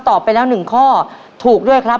ตอบไปแล้วหนึ่งข้อถูกด้วยครับ